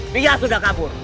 biar sudah kabur